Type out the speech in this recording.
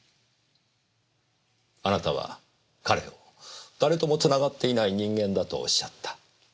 あなたは彼を誰ともつながっていない人間だとおっしゃった。